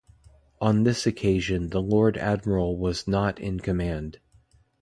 On this occasion the Lord Admiral was not in command.